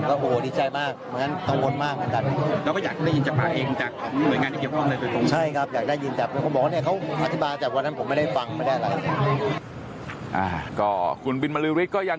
ก็คุณบินบริวิษฎก็ยังทรงตายแล้วครับ